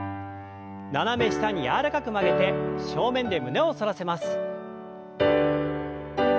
斜め下に柔らかく曲げて正面で胸を反らせます。